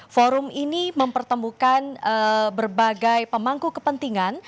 forum ini mempertemukan berbagai pemangku kepentingan